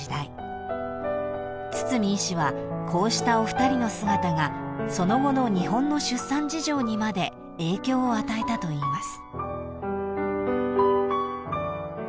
［堤医師はこうしたお二人の姿がその後の日本の出産事情にまで影響を与えたといいます］